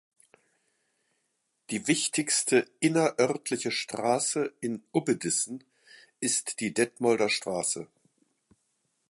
Die wichtigste innerörtliche Straße in Ubbedissen ist die Detmolder Straße.